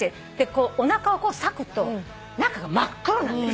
こうおなかをさくと中が真っ黒なんですよ。